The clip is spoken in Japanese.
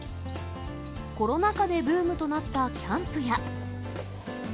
コロナ禍でブームとなったキャンプや。